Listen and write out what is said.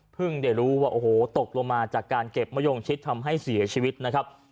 ได้รู้ว่าโอ้โหตกลงมาจากการเก็บมะยงชิดทำให้เสียชีวิตนะครับ